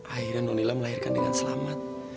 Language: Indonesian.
akhirnya nonila melahirkan dengan selamat